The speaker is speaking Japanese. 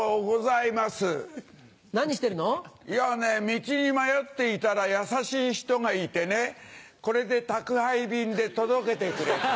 いやぁね道に迷っていたら優しい人がいてねこれで宅配便で届けてくれたの。